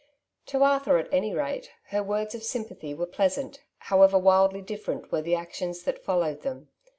To Arthur, at any rate, her words of sympathy were pleasant, however widely different were the actions that followed them.